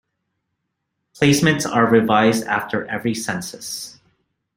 Placements are revised after every census.